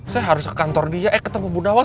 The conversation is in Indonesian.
saya harus ke kantor dia eh ketemu ibu nawang